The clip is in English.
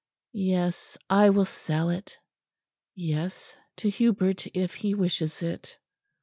Yes, I will sell it.... Yes, to Hubert, if he wishes it."